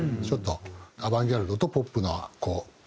ちょっとアバンギャルドとポップのこう。